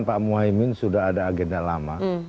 pak muhaymin sudah ada agenda lama